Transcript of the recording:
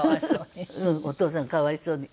お父さんかわいそうに。